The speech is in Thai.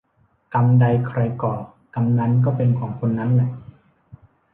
กรรมใดใครก่อ กรรมนั้นก็เป็นของคนนั้นแหละ